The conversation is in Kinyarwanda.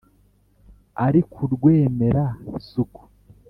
Ari ku Rwemera-suku